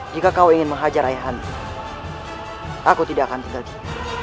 jika kau ingin menghajar ayahanda aku tidak akan tergigit